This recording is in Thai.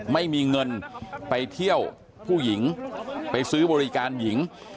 ไม่มีเงินไปเที่ยวผู้หญิงไปซื้อบริการหญิง